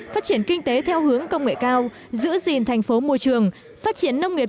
phát triển kinh tế theo hướng công nghệ cao giữ gìn thành phố môi trường phát triển nông nghiệp